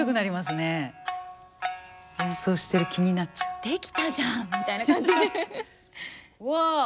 すごい！「できたじゃん」みたいな感じ。